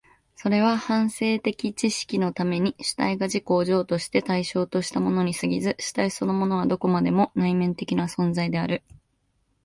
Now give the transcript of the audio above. それは反省的知識のために主体が自己を譲渡して対象としたものに過ぎず、主体そのものはどこまでも内面的な存在である。